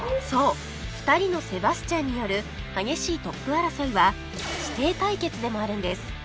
そう２人のセバスチャンによる激しいトップ争いは師弟対決でもあるんです